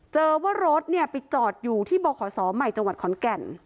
เจอว่ารถไปจอดอยู่ที่บขศใหม่จังหวัดขอนแก่น